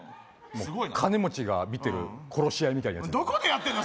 すごいな金持ちが見てる殺し合いみたいなやつどこでやってんだ